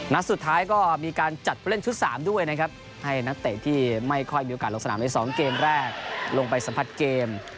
นัดสุดท้ายก็มีการจัดผู้เล่นชุด๓ด้วยนะครับให้นักเตะที่ไม่ค่อยมีโอกาสลงสนามใน๒เกมแรกลงไปสัมผัสเกม